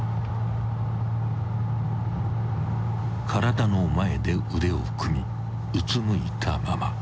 ［体の前で腕を組みうつむいたまま］